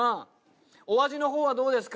お味のほうはどうですか？